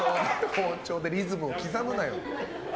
包丁でリズムを刻むなよ。